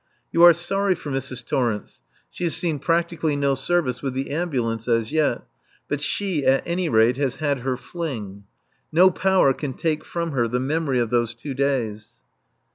You are sorry for Mrs. Torrence (she has seen practically no service with the ambulance as yet), but she, at any rate, has had her fling. No power can take from her the memory of those two days.